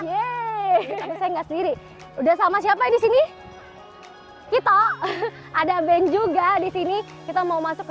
ya saya enggak sendiri udah sama siapa di sini kita ada band juga di sini kita mau masuk ke